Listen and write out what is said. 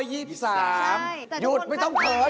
หยุดไม่ต้องเขิน